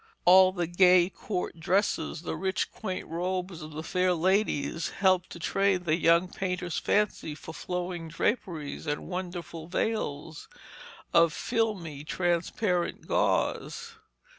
All the gay court dresses, the rich quaint robes of the fair ladies, helped to train the young painter's fancy for flowing draperies and wonderful veils of filmy transparent gauze.